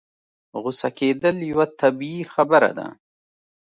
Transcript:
غوسه کېدل يوه طبيعي خبره ده.